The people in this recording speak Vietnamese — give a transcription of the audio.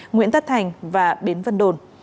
nguyễn tất thành và bến vân đồn